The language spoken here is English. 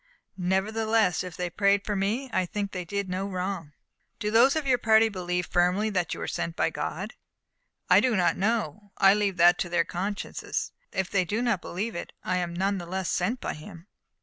Nevertheless, if they prayed for me, I think they did no wrong." "Do those of your party believe firmly that you are sent by God?" "I do not know. I leave that to their consciences. But if they do not believe it, I am none the less sent by Him."